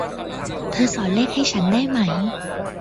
เธอสอนเลขให้ฉันได้ไหม